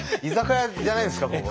居酒屋じゃないんですか？